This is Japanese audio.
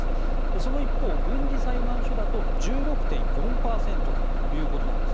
その一方、軍事裁判所だと１６．４％ということなんです。